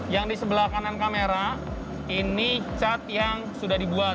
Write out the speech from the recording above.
yang disebelah kanan kamera ini cat yang sudah dibuat